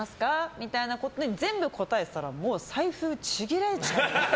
みたいなことを全部答えてたら財布ちぎれちゃう。